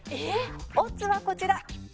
オッズはこちら。